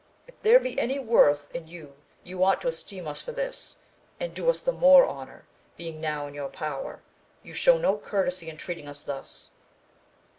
If there be any worth in you you ought to esteem us for this, and do us the more honour, being now in your power 3 you show no courtesy in treating us thus.